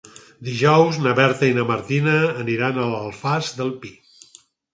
Dijous na Berta i na Martina aniran a l'Alfàs del Pi.